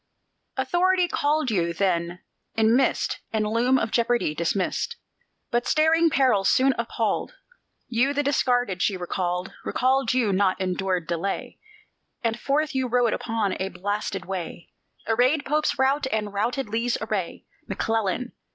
Authority called you; then, in mist And loom of jeopardy dismissed. But staring peril soon appalled; You, the Discarded, she recalled Recalled you, nor endured delay; And forth you rode upon a blasted way, Arrayed Pope's rout, and routed Lee's array, McClellan!